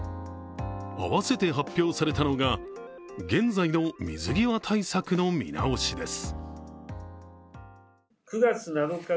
併せて発表されたのが、現在の水際対策の見直しです。